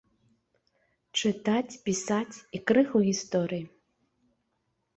Чытаць, пісаць і крыху гісторыі.